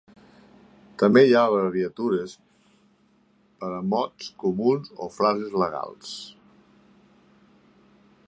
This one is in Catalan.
També hi ha abreviatures per a mots comuns o frases legals.